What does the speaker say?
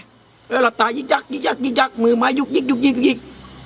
แล้วหลับตายึกยักยิกยักยิกยักมือมายุกยิกยิก